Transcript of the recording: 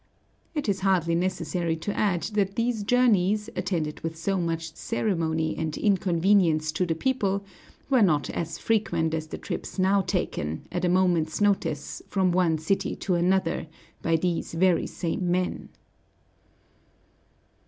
It is hardly necessary to add that these journeys, attended with so much ceremony and inconvenience to the people, were not as frequent as the trips now taken, at a moment's notice, from one city to another, by these very same men.